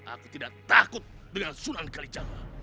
atau tidak takut dengan sunan kalijaga